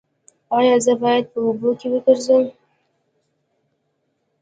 ایا زه باید په اوبو وګرځم؟